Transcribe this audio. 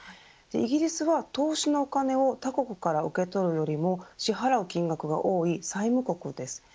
イギリスは投資のお金を他国から受け取るよりも支払う金額が多い債務国です。